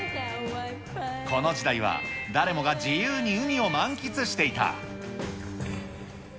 この時代は誰もが自由に海を満喫していた。